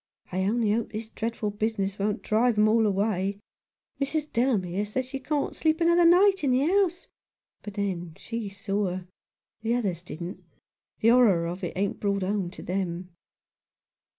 I only hope this dreadful business won't drive them all away. Mrs. Delamere says she can't sleep another night in the house ; but then she saw her. The others didn't. The horror of it ain't brought home to them."